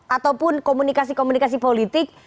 ataupun komunikasi komunikasi politik